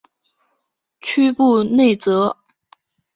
屈布内泽。